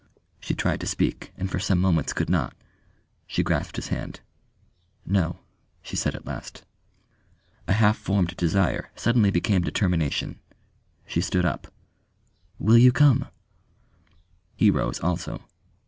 She tried to speak, and for some moments could not. She grasped his hand. "No," she said at last. A half formed desire suddenly became determination. She stood up. "Will you come?" He rose also.